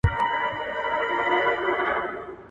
لطیف پدرام دی، هيڅ لاسته راوړنه نه لري».